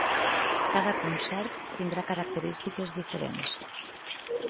Cada concert tindrà característiques diferents.